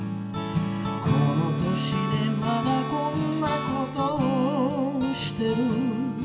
「この歳でまだこんなことをしている」